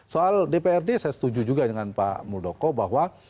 soal dprd saya setuju juga dengan pak muldoko bahwa